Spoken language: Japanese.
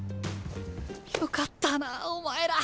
よかったなお前ら。